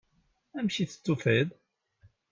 Amek i t-id-tufiḍ?